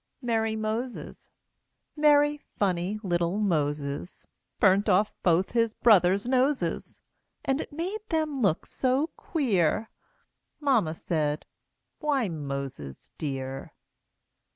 MERRY MOSES Merry, funny little Moses Burnt off both his brothers' noses; And it made them look so queer Mamma said, "Why, Moses, dear!"